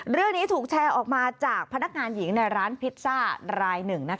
เรื่องนี้ถูกแชร์ออกมาจากพนักงานหญิงในร้านพิซซ่ารายหนึ่ง